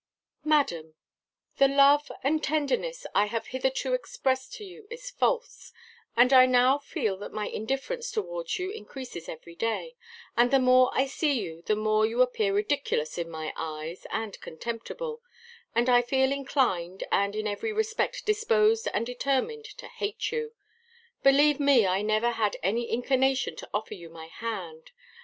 Madam, The love and tenderness I have hitherto expressed to you is false, and I now feel that my indifference towards you increases every day, and the more I see you the more you appear ridiculous in my eyes, and contemptible I feel inclined and in every respect disposed and determined to hate you. Believe me I never had any inclination to offer you my hand.